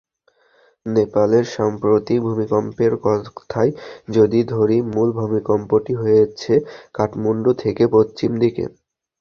নেপালের সাম্প্রতিক ভূমিকম্পের কথাই যদি ধরি, মূল ভূমিকম্পটি হয়েছে কাঠমান্ডু থেকে পশ্চিম দিকে।